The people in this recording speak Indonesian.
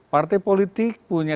partai politik punya